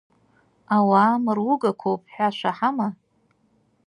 Ауаа мыругақәоуп ҳәа шәаҳама?!